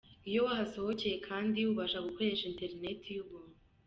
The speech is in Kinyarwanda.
Iyo wahasohokeye kandi ubasha gukoresha interineti y'ubuntu.